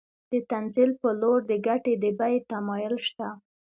د تنزل په لور د ګټې د بیې تمایل شته